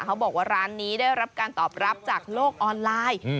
เขาบอกว่าร้านนี้ได้รับการตอบรับจากโลกออนไลน์